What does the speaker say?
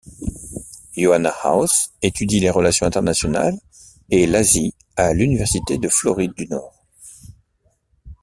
Yoanna House étudie les relations internationales et l'Asie à l'université de Floride du Nord.